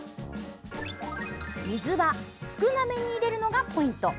水は少なめに入れるのがポイント。